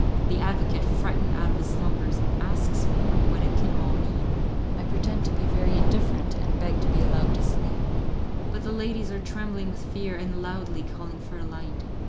The advocate, frightened out of his slumbers, asks me what it can all mean; I pretend to be very indifferent, and beg to be allowed to sleep. But the ladies are trembling with fear, and loudly calling for a light.